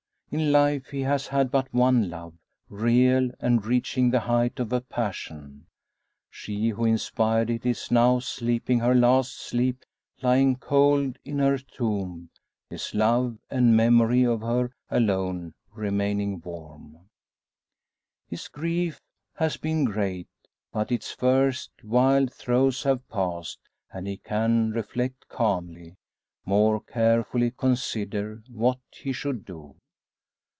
In life he has had but one love, real, and reaching the height of a passion. She who inspired it is now sleeping her last sleep lying cold in her tomb his love and memory of her alone remaining warm. His grief has been great, but its first wild throes have passed and he can reflect calmly more carefully consider, what he should do.